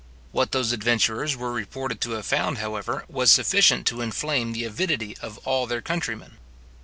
What those adventurers were reported to have found, however, was sufficient to inflame the avidity of all their countrymen.